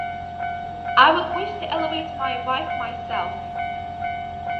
I would wish to elevate my wife myself.